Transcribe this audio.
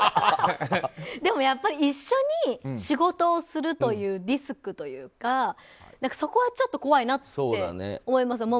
でも、やっぱり一緒に仕事をするというリスクというかそこは、怖いなって思います。